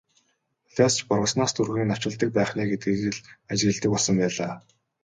Улиас ч бургаснаас түргэн навчилдаг байх нь ээ гэдгийг л ажигладаг болсон байлаа.